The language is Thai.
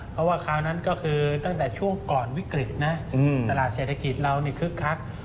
เพราะว่าคราวนั้นก็คือตั้งแต่ช่วงก่อนวิกฤตนะตลาดเศรษฐกิจเรานี่คึกคัก